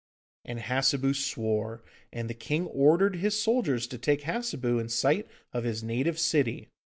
And Hassebu swore, and the king ordered his soldiers to take Hassebu in sight of his native city.